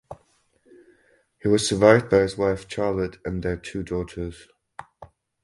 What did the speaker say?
He was survived by his wife Charlotte and their two daughters.